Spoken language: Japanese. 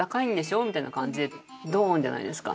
みたいな感じでドーンじゃないですか。